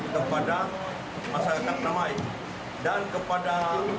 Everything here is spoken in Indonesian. kepada masyarakat yang namanya dan kepada